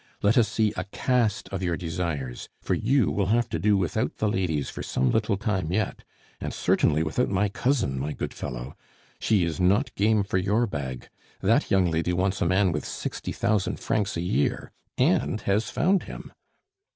Let us see a cast of your desires, for you will have to do without the ladies for some little time yet, and certainly without my cousin, my good fellow. She is not game for your bag; that young lady wants a man with sixty thousand francs a year and has found him!